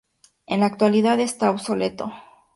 En la actualidad está obsoleto.